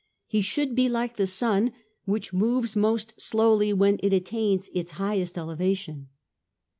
' He should be like the sun, which moves most slowly when it attains its highest elevation.